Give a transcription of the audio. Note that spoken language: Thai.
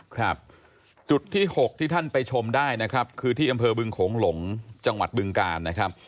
ครับจุดที่๖ที่ท่านไปชมได้นะครับคือที่อำเภอบึงโขงหลงจังหวัดบึงกาลนะครับ